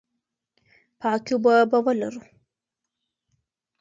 پاکې اوبه به ولرو.